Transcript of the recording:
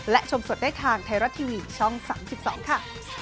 และชมสดได้ทางไทยรัฐทีวีช่อง๓๒ค่ะ